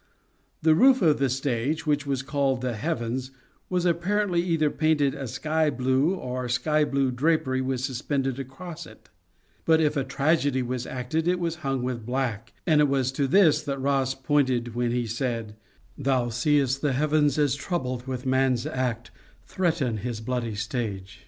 The roof of the stage, which was called the heavens, was apparently either painted a sky blue or sky blue drapery was suspended across it ; but if a tragedy was acted it was hung with black, and it was to this that Rosse pointed when he said : Thou seest the Heavens as troubled with man's act Threaten his bloody stage.